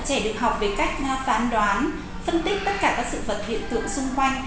trẻ được học về cách phán đoán phân tích tất cả các sự vật hiện tượng xung quanh